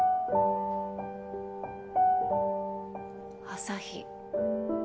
朝日。